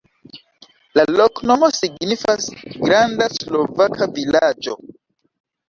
La loknomo signifas: granda-slovaka-vilaĝo.